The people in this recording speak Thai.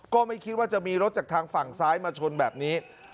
ก็ไม่คิดว่าจะมีรถจากทางฝั่งซ้ายมาชนแบบนี้